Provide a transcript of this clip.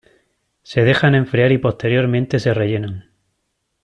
Se dejan enfriar y posteriormente se rellenan.